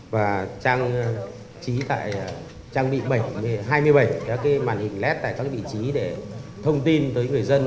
và trang trí tại trang bị hai mươi bảy các màn hình led tại các vị trí để thông tin tới người dân